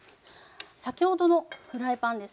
先ほどのフライパンですね。